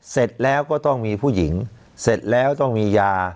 เสร็จแล้วก็ต้องมีผู้หญิงเสร็จแล้วต้องมียา